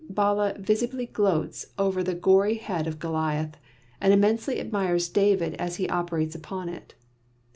Bala visibly gloats over the gory head of Goliath, and intensely admires David as he operates upon it.